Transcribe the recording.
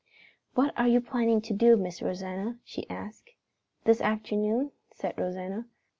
"What are you planning to do, Miss Rosanna?" she asked. "This afternoon?" said Rosanna.